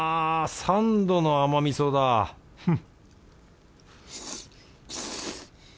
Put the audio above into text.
サンドの甘味噌だフッ